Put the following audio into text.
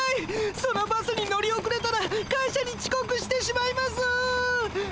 そのバスに乗り遅れたら会社にちこくしてしまいます。